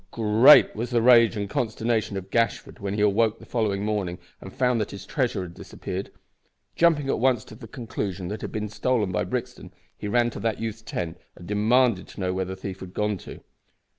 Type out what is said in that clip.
Great was the rage and consternation of Gashford when he awoke the following morning and found that his treasure had disappeared. Jumping at once to the conclusion that it had been stolen by Brixton, he ran to that youth's tent and demanded to know where the thief had gone to.